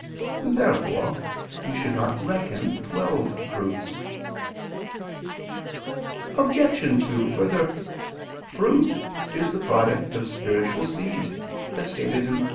Therefore we should not reckon twelve fruits. Obj. 2: Further, fruit is the product of spiritual seed, as stated (A.